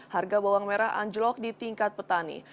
harga bawang merah anjlok di tingkat petani